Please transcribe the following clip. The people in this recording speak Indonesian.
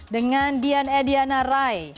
dengan dian ediana rai